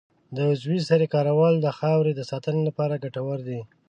د عضوي سرې کارول د خاورې د ساتنې لپاره ګټور دي.